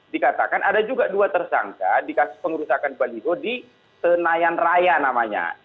dikatakan ada juga dua tersangka di kasus pengerusakan baliho di senayan raya namanya